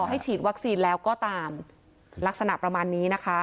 ให้ฉีดวัคซีนแล้วก็ตามลักษณะประมาณนี้นะคะ